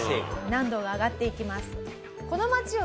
難度が上がっていきます。